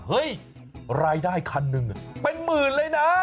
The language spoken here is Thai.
เฮ้ยรายได้คันหนึ่งเป็นหมื่นเลยนะ